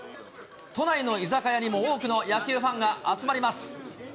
都内の居酒屋にも多くの野球ファンが集まります。